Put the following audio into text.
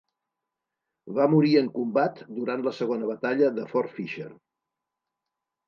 Va morir en combat durant la segona batalla de Fort Fisher.